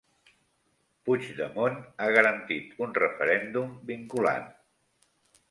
Puigdemont ha garantit un referèndum vinculant.